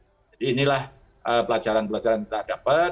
jadi inilah pelajaran pelajaran yang kita dapat